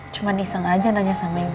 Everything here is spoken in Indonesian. cuma disengaja nanya sama ibu